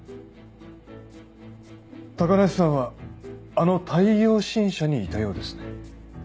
高梨さんはあの太陽新社にいたようですね。